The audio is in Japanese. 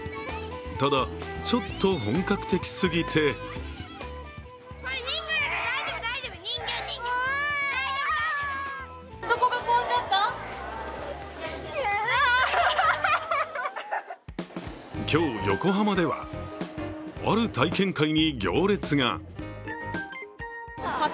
ただちょっと本格的すぎて今日、横浜ではある体験会に行列が。